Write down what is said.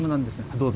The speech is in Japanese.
どうぞ。